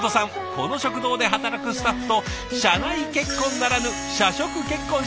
この食堂で働くスタッフと社内結婚ならぬ社食結婚したんです。